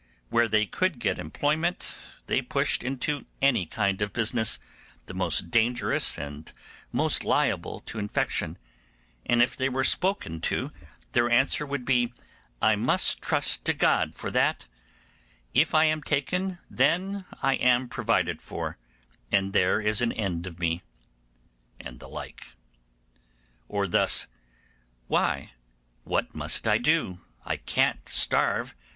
Where they could get employment they pushed into any kind of business, the most dangerous and the most liable to infection; and if they were spoken to, their answer would be, 'I must trust to God for that; if I am taken, then I am provided for, and there is an end of me', and the like. Or thus, 'Why, what must I do? I can't starve.